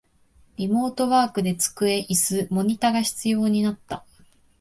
リモートワークで机、イス、モニタが必要になった